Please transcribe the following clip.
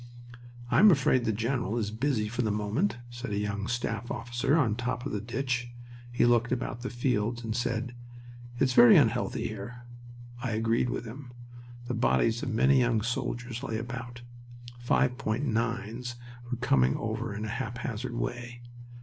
"I am afraid the general is busy for the moment," said a young staff officer on top of the ditch. He looked about the fields and said, "It's very unhealthy here." I agreed with him. The bodies of many young soldiers lay about. Five point nines (5.9's) were coming over in a haphazard way.